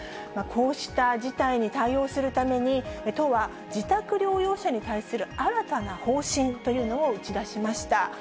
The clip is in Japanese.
こうした事態に対応するために、都は自宅療養者に対する新たな方針というのを打ち出しました。